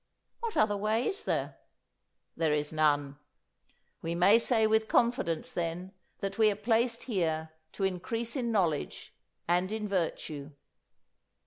What other way is there? There is none. We may say with confidence, then, that we are placed here to increase in knowledge and in virtue."